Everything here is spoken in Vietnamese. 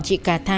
chị cà tha